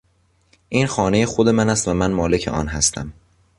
این خانهی خود من است و من مالک آن هستم.